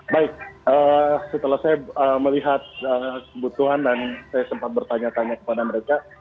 baik setelah saya melihat kebutuhan dan saya sempat bertanya tanya kepada mereka